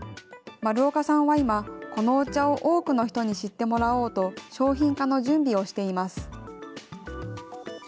丸岡さんは今、このお茶を多くの人に知ってもらおうと、商品化の準備をしています。